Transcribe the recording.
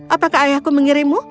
apakah ayahku mengirimmu